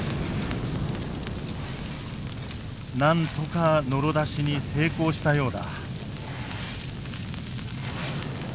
なんとかノロ出しに成功したようだ。